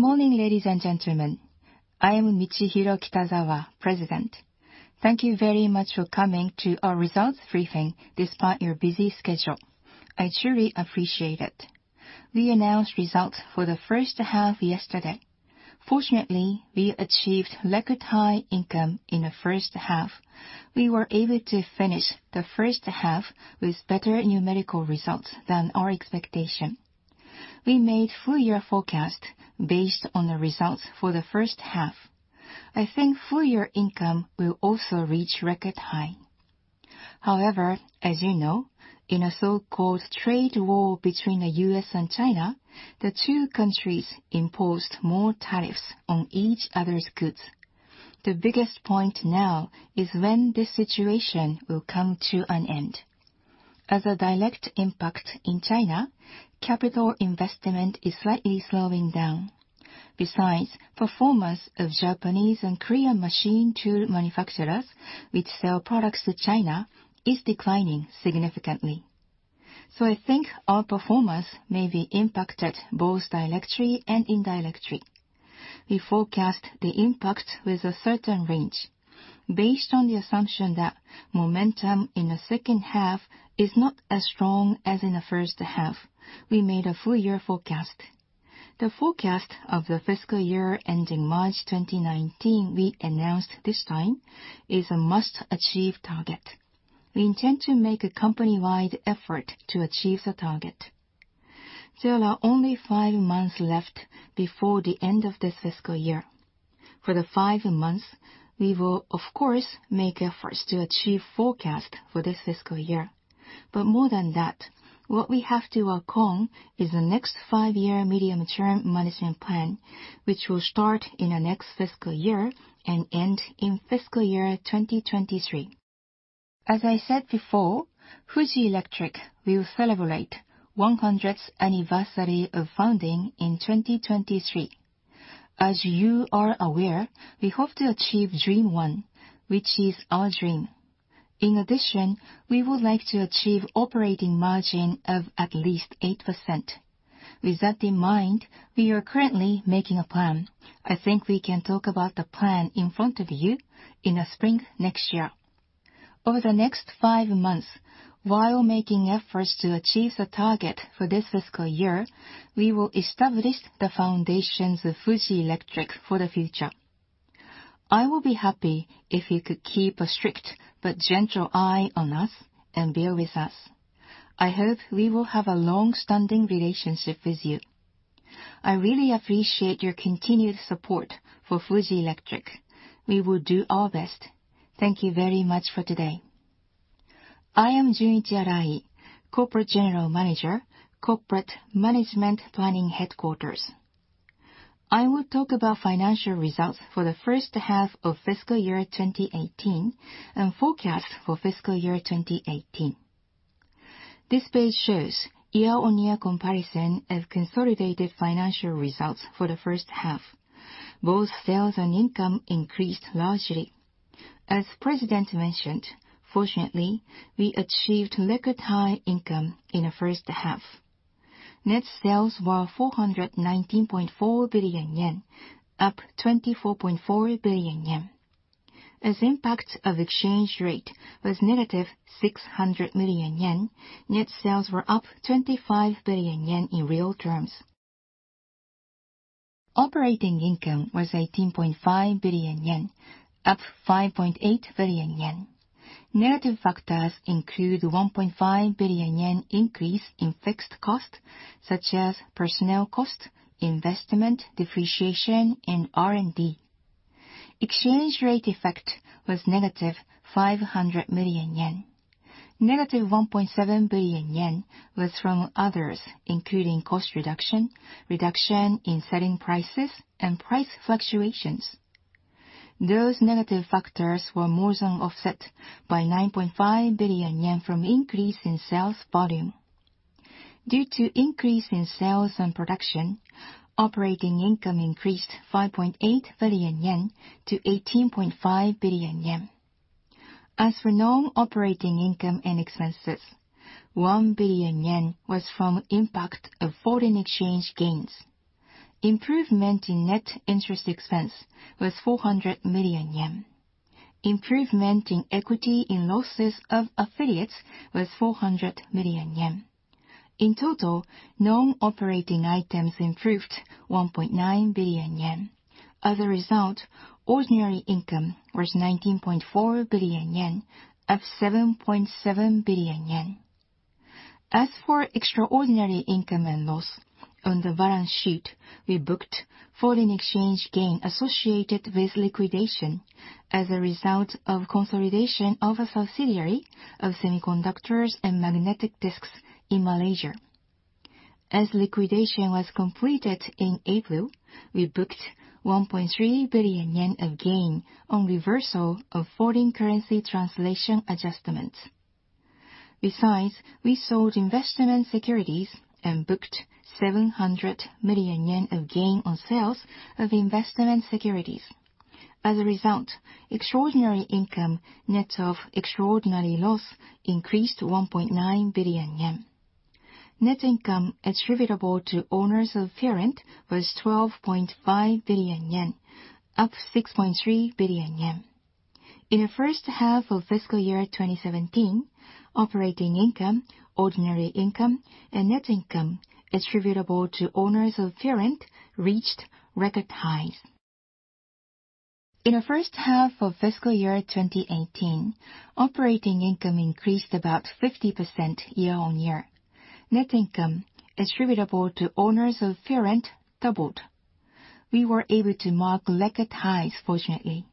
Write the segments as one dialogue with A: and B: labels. A: Good morning, ladies and gentlemen. I am Michihiro Kitazawa, President. Thank you very much for coming to our results briefing despite your busy schedule. I truly appreciate it. We announced results for the first half yesterday. Fortunately, we achieved record high income in the first half. We were able to finish the first half with better numerical results than our expectation. We made full year forecast based on the results for the first half. I think full year income will also reach record high. However, as you know, in a so-called trade war between the U.S. and China, the two countries imposed more tariffs on each other's goods. The biggest point now is when this situation will come to an end. As a direct impact in China, capital investment is slightly slowing down. Besides, performance of Japanese and Korean machine tool manufacturers, which sell products to China, is declining significantly. I think our performance may be impacted both directly and indirectly. We forecast the impact with a certain range. Based on the assumption that momentum in the second half is not as strong as in the first half, we made a full year forecast. The forecast of the fiscal year ending March 2019 we announced this time is a must-achieve target. We intend to make a company-wide effort to achieve the target. There are only five months left before the end of this fiscal year. For the five months, we will of course make efforts to achieve forecast for this fiscal year. More than that, what we have to work on is the next five-year medium-term management plan, which will start in the next fiscal year and end in fiscal year 2023. As I said before, Fuji Electric will celebrate 100th anniversary of founding in 2023. As you are aware, we hope to achieve Dream 1, which is our dream. In addition, we would like to achieve operating margin of at least 8%. With that in mind, we are currently making a plan. I think we can talk about the plan in front of you in the spring next year. Over the next five months, while making efforts to achieve the target for this fiscal year, we will establish the foundations of Fuji Electric for the future. I will be happy if you could keep a strict but gentle eye on us and be with us. I hope we will have a long-standing relationship with you. I really appreciate your continued support for Fuji Electric. We will do our best. Thank you very much for today.
B: I am Junichi Arai, Corporate General Manager, Corporate Management Planning Headquarters. I will talk about financial results for the first half of fiscal year 2018 and forecast for fiscal year 2018. This page shows year-on-year comparison of consolidated financial results for the first half. Both sales and income increased largely. As President mentioned, fortunately, we achieved record high income in the first half. Net sales were 419.4 billion yen, up 24.4 billion yen. As impact of exchange rate was negative 600 million yen, net sales were up 25 billion yen in real terms. Operating income was 18.5 billion yen, up 5.8 billion yen. Negative factors include 1.5 billion yen increase in fixed cost, such as personnel cost, investment, depreciation, and R&D. Exchange rate effect was negative 500 million yen. Negative 1.7 billion yen was from others, including cost reduction in selling prices, and price fluctuations. Those negative factors were more than offset by 9.5 billion yen from increase in sales volume. Due to increase in sales and production, operating income increased 5.8 billion yen to 18.5 billion yen. As for non-operating income and expenses, 1 billion yen was from impact of foreign exchange gains. Improvement in net interest expense was 400 million yen. Improvement in equity in losses of affiliates was 400 million yen. In total, non-operating items improved 1.9 billion yen. As a result, ordinary income was 19.4 billion yen, up 7.7 billion yen. As for extraordinary income and loss, on the balance sheet, we booked foreign exchange gain associated with liquidation as a result of consolidation of a subsidiary of semiconductors and magnetic disks in Malaysia. As liquidation was completed in April, we booked 1.3 billion yen of gain on reversal of foreign currency translation adjustments. Besides, we sold investment securities and booked 700 million yen of gain on sales of investment securities. As a result, extraordinary income net of extraordinary loss increased to 1.9 billion yen. Net income attributable to owners of parent was 12.5 billion yen, up 6.3 billion yen. In the first half of fiscal year 2017, operating income, ordinary income, and net income attributable to owners of parent reached record highs. In the first half of fiscal year 2018, operating income increased about 50% year-on-year. Net income attributable to owners of parent doubled. We were able to mark record highs, fortunately.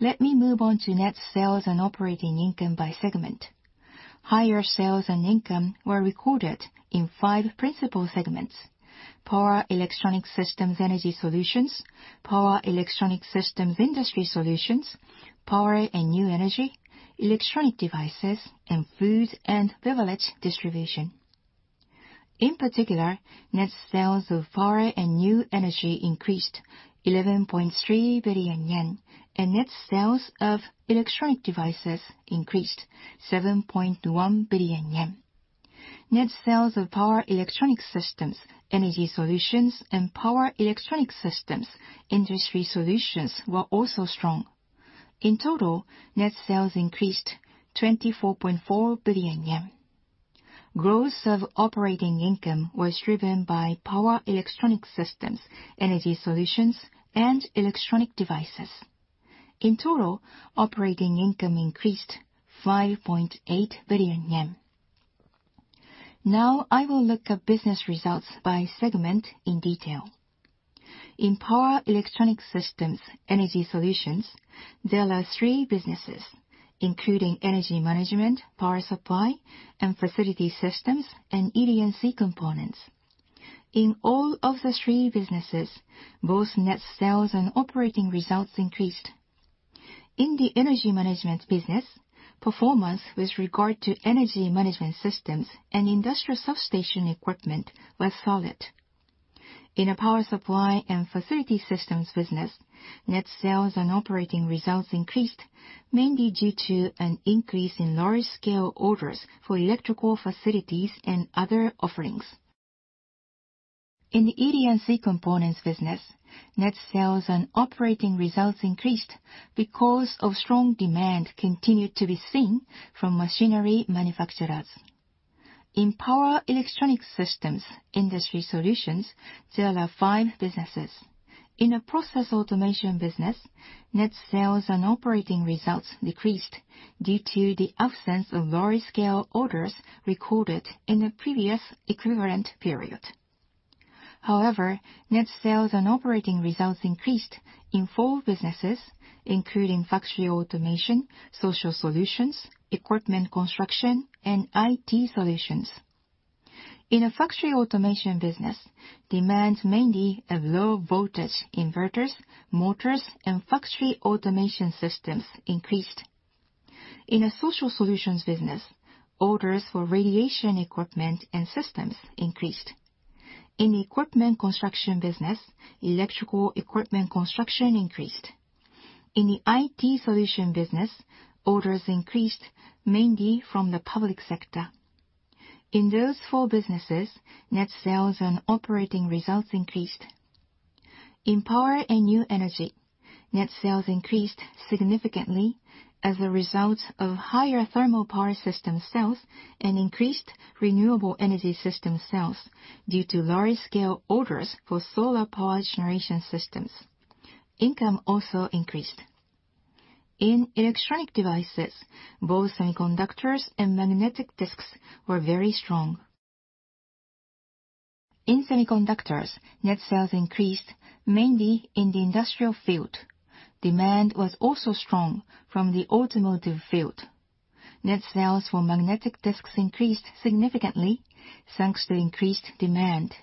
B: Let me move on to net sales and operating income by segment. Higher sales and income were recorded in five principal segments: Power Electronics Systems-Energy Solutions, Power Electronics Systems-Industry Solutions, Power and New Energy, Electronic Devices, and Food and Beverage Distribution. In particular, net sales of Power and New Energy increased 11.3 billion yen, and net sales of Electronic Devices increased 7.1 billion yen. Net sales of Power Electronics Systems-Energy Solutions and Power Electronics Systems-Industry Solutions were also strong. In total, net sales increased 24.4 billion yen. Growth of operating income was driven by Power Electronics Systems-Energy Solutions and Electronic Devices. In total, operating income increased 5.8 billion yen. Now I will look at business results by segment in detail. In Power Electronics Systems-Energy Solutions, there are three businesses, including Energy Management, Power Supply and Facility Systems, and ED&C components. In all of the three businesses, both net sales and operating results increased. In the Energy Management business, performance with regard to energy management systems and industrial substation equipment was solid. In a Power Supply and Facility Systems business, net sales and operating results increased, mainly due to an increase in large-scale orders for electrical facilities and other offerings. In the ED&C components business, net sales and operating results increased because of strong demand continued to be seen from machinery manufacturers. In Power Electronics Systems-Industry Solutions, there are five businesses. In a process automation business, net sales and operating results decreased due to the absence of large-scale orders recorded in the previous equivalent period. However, net sales and operating results increased in four businesses, including factory automation, Social Solutions, Equipment Construction, and IT Solutions. In a factory automation business, demands mainly of low voltage inverters, motors, and factory automation systems increased. In a Social Solutions business, orders for radiation equipment and systems increased. In Equipment Construction business, electrical equipment construction increased. In the IT Solutions business, orders increased mainly from the public sector. In those four businesses, net sales and operating results increased. In Power and New Energy, net sales increased significantly as a result of higher thermal power system sales and increased renewable energy system sales due to large-scale orders for solar power generation systems. Income also increased. In Electronic Devices, both semiconductors and magnetic disks were very strong. In semiconductors, net sales increased mainly in the industrial field. Demand was also strong from the automotive field. Net sales for magnetic disks increased significantly thanks to increased demand.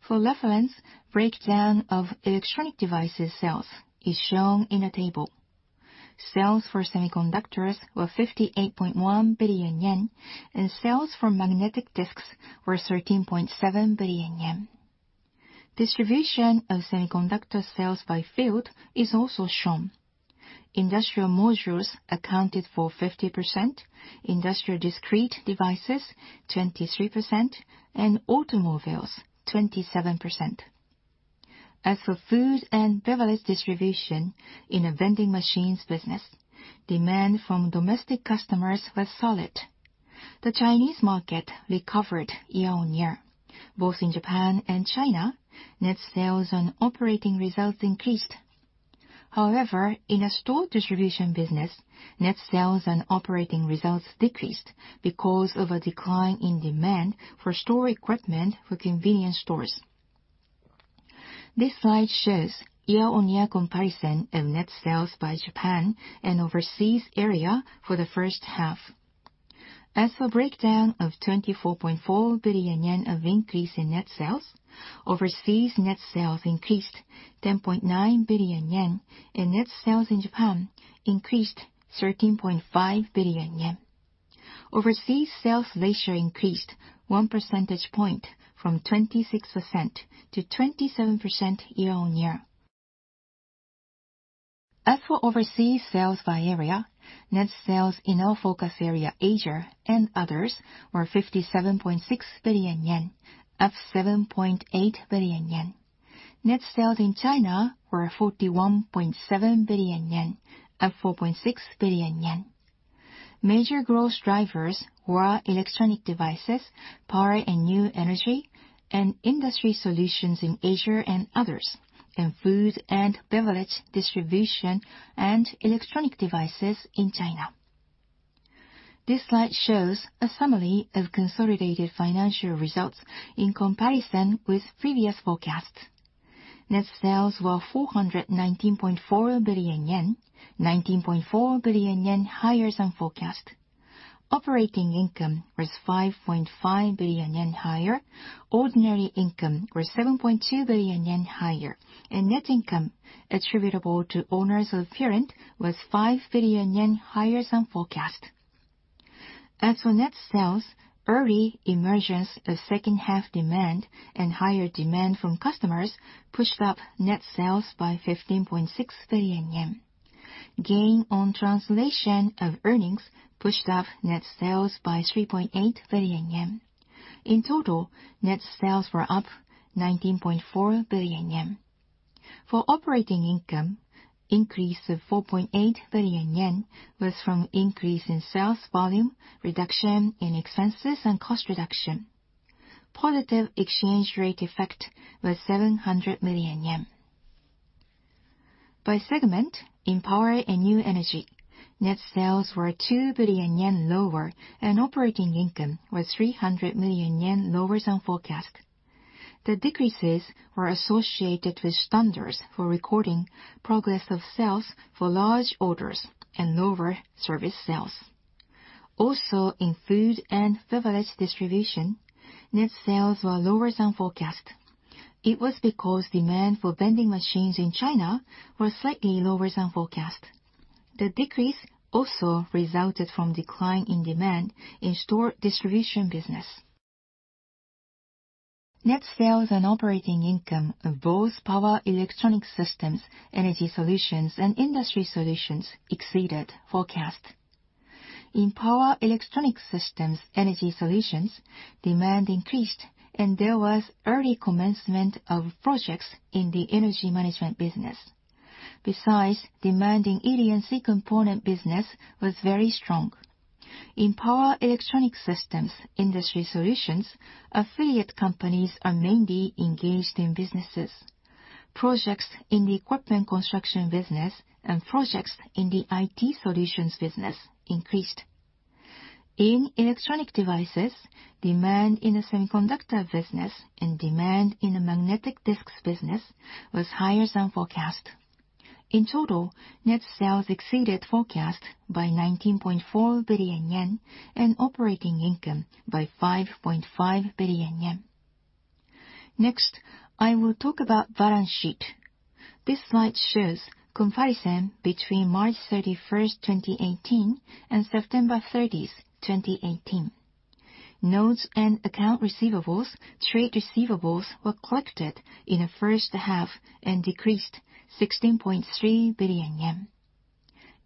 B: For reference, breakdown of Electronic Devices sales is shown in a table. Sales for semiconductors were 58.1 billion yen, and sales for magnetic disks were 13.7 billion yen. Distribution of semiconductor sales by field is also shown. Industrial modules accounted for 50%, industrial discrete devices 23%, and automobiles 27%. As for Food and Beverage Distribution in a vending machines business, demand from domestic customers was solid. The Chinese market recovered year-on-year. Both in Japan and China, net sales and operating results increased. In a store distribution business, net sales and operating results decreased because of a decline in demand for store equipment for convenience stores. This slide shows year-on-year comparison of net sales by Japan and overseas area for the first half. As for breakdown of 24.4 billion yen of increase in net sales, overseas net sales increased 10.9 billion yen, and net sales in Japan increased 13.5 billion yen. Overseas sales ratio increased one percentage point from 26%-27% year-on-year. As for overseas sales by area, net sales in our focus area, Asia and others, were 57.6 billion yen, up 7.8 billion yen. Net sales in China were 41.7 billion yen, up 4.6 billion yen. Major growth drivers were Electronic Devices, Power and New Energy, and Industry Solutions in Asia and others, and Food and Beverage Distribution and Electronic Devices in China. This slide shows a summary of consolidated financial results in comparison with previous forecasts. Net sales were 419.4 billion yen, 19.4 billion yen higher than forecast. Operating income was 5.5 billion yen higher, ordinary income was 7.2 billion yen higher, and net income attributable to owners of parent was 5 billion yen higher than forecast. As for net sales, early emergence of second half demand and higher demand from customers pushed up net sales by 15.6 billion yen. Gain on translation of earnings pushed up net sales by 3.8 billion yen. In total, net sales were up 19.4 billion yen. For operating income, increase of 4.8 billion yen was from increase in sales volume, reduction in expenses, and cost reduction. Positive exchange rate effect was 700 million yen. By segment, in Power and New Energy, net sales were 2 billion yen lower, and operating income was 300 million yen lower than forecast. The decreases were associated with standards for recording progress of sales for large orders and lower service sales. In Food and Beverage Distribution, net sales were lower than forecast. It was because demand for vending machines in China was slightly lower than forecast. The decrease also resulted from decline in demand in store distribution business. Net sales and operating income of both Power Electronics Systems-Energy Solutions and Power Electronics Systems-Industry Solutions exceeded forecasts. In Power Electronics Systems-Energy Solutions, demand increased, and there was early commencement of projects in the Energy Management business. Besides, demand in ED&C components business was very strong. In Power Electronics Systems-Industry Solutions, affiliate companies are mainly engaged in businesses. Projects in the Equipment Construction business and projects in the IT Solutions business increased. In Electronic Devices, demand in the semiconductor business and demand in the magnetic disks business was higher than forecast. In total, net sales exceeded forecast by 19.4 billion yen and operating income by 5.5 billion yen. Next, I will talk about balance sheet. This slide shows comparison between March 31, 2018, and September 30, 2018. Notes and account receivables, trade receivables were collected in the first half and decreased 16.3 billion yen.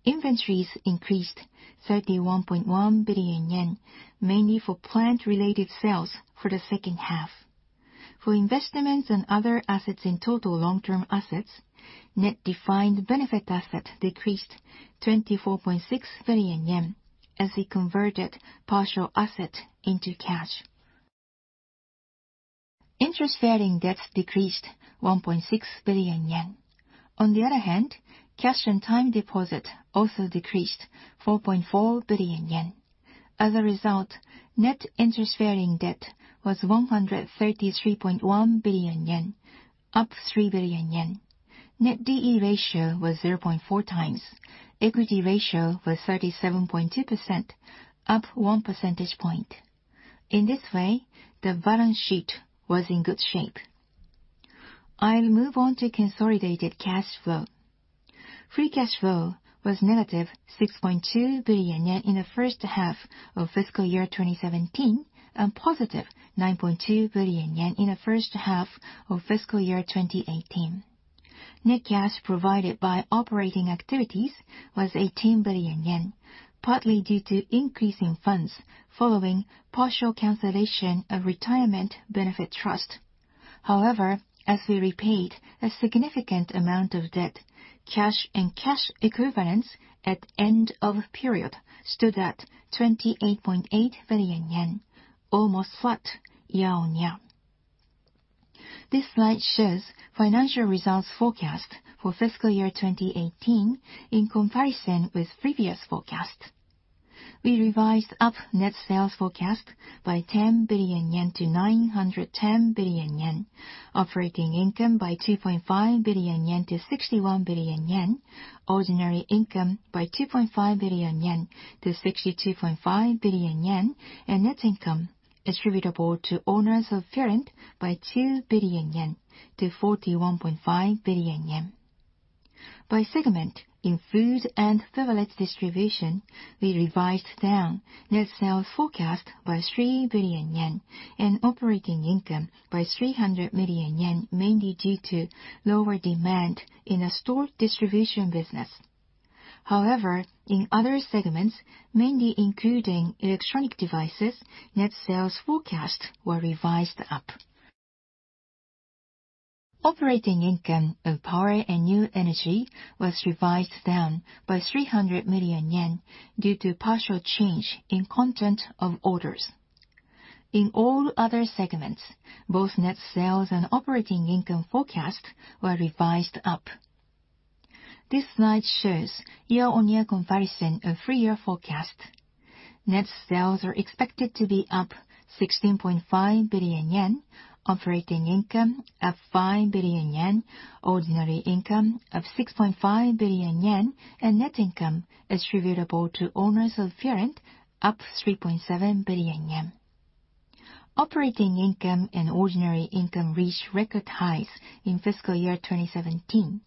B: Inventories increased 31.1 billion yen, mainly for plant-related sales for the second half. For investments and other assets in total long-term assets, net defined benefit asset decreased 24.6 billion yen as we converted partial asset into cash. Interest-bearing debt decreased 1.6 billion yen. On the other hand, cash and time deposit also decreased 4.4 billion yen. As a result, net interest-bearing debt was 133.1 billion yen, up 3 billion yen. Net D/E ratio was 0.4 times. Equity ratio was 37.2%, up one percentage point. In this way, the balance sheet was in good shape. I'll move on to consolidated cash flow. Free cash flow was negative 6.2 billion yen in the first half of fiscal year 2017 and positive 9.2 billion yen in the first half of fiscal year 2018. Net cash provided by operating activities was 18 billion yen, partly due to increase in funds following partial cancellation of retirement benefit trust. However, as we repaid a significant amount of debt, cash and cash equivalents at end of period stood at 28.8 billion yen, almost flat year-over-year. This slide shows financial results forecast for fiscal year 2018 in comparison with previous forecasts. We revised up net sales forecast by 10 billion yen to 910 billion yen, operating income by 2.5 billion yen to 61 billion yen, ordinary income by 2.5 billion yen to 62.5 billion yen, and net income attributable to owners of parent by 2 billion yen to 41.5 billion yen. By segment, in Food and Beverage Distribution, we revised down net sales forecast by 3 billion yen and operating income by 300 million yen, mainly due to lower demand in a store distribution business. However, in other segments, mainly including Electronic Devices, net sales forecasts were revised up. Operating income of Power and New Energy was revised down by 300 million yen due to partial change in content of orders. In all other segments, both net sales and operating income forecasts were revised up. This slide shows year-over-year comparison of full year forecast. Net sales are expected to be up 16.5 billion yen, operating income up 5 billion yen, ordinary income up 6.5 billion yen, and net income attributable to owners of parent up 3.7 billion yen. Operating income and ordinary income reached record highs in fiscal year 2017.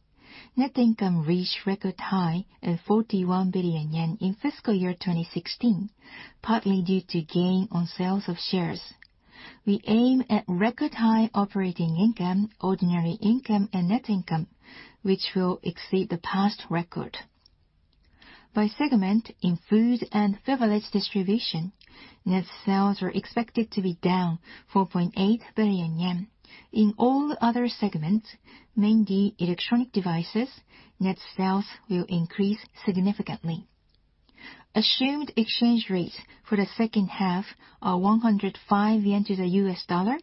B: Net income reached record high of 41 billion yen in fiscal year 2016, partly due to gain on sales of shares. We aim at record high operating income, ordinary income, and net income, which will exceed the past record. By segment, in Food and Beverage Distribution, net sales are expected to be down 4.8 billion yen. In all other segments, mainly Electronic Devices, net sales will increase significantly. Assumed exchange rates for the second half are 105 yen to the US dollar,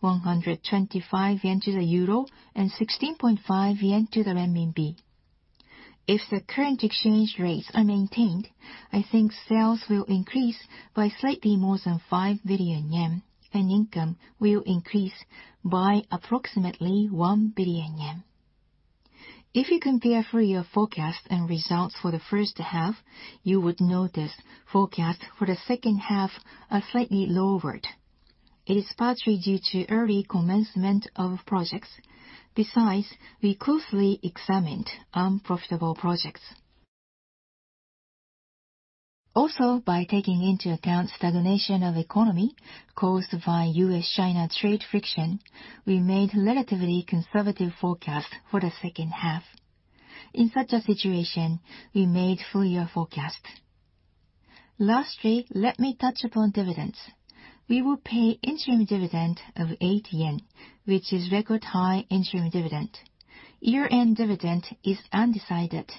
B: 125 yen to the euro, and 16.50 yen to the renminbi. If the current exchange rates are maintained, I think sales will increase by slightly more than 5 billion yen and income will increase by approximately 1 billion yen. If you compare full year forecast and results for the first half, you would notice forecasts for the second half are slightly lowered. It is partially due to early commencement of projects. We closely examined unprofitable projects. By taking into account stagnation of economy caused by U.S.-China trade friction, we made relatively conservative forecast for the second half. In such a situation, we made full year forecast. Let me touch upon dividends. We will pay interim dividend of 8 yen, which is record high interim dividend. Year-end dividend is undecided.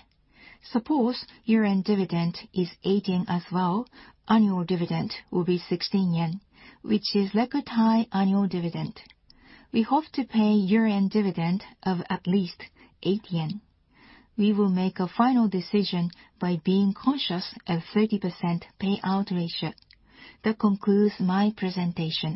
B: Suppose year-end dividend is 8 yen as well, annual dividend will be 16 yen, which is record high annual dividend. We hope to pay year-end dividend of at least 8 yen. We will make a final decision by being conscious of 30% payout ratio. That concludes my presentation.